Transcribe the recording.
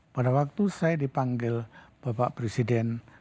pada waktu saya dipanggil bapak presiden